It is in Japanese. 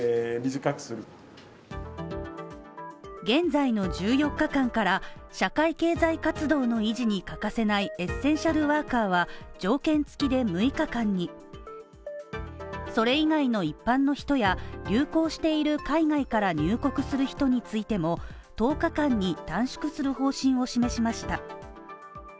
現在の１４日間から、社会経済活動の維持に欠かせないエッセンシャルワーカーは条件付きで６日間にそれ以外の一般の人や流行している海外から入国する人についても１０日間に短縮する方針を示しました。